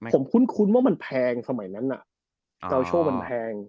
ผมคุ้นว่ามันแภงสมัยนั้นอ่าาา